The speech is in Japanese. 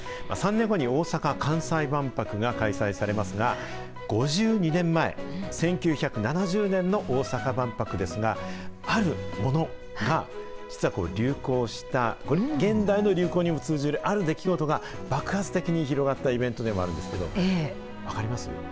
３年後に大阪・関西万博が開催されますが、５２年前、１９７０年の大阪万博ですが、あるものが、実は流行した、現代の流行にも通じるある出来事が、爆発的に広がったイベントでもあるんですけど、分かります？